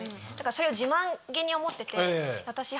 それを自慢げに思ってて私。